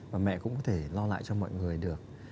và mẹ cũng có thể lo lại cho mọi người được